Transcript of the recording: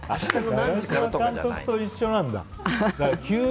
長嶋監督と一緒なんだ。